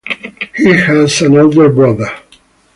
He has an older brother.